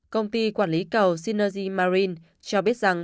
công ty quản lý cầu synergy marine cho biết rằng